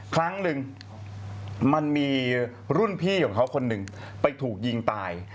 ครั้งหนึ่งมันมีรุ่นพี่ของเขาคนหนึ่งไปถูกยิงตาย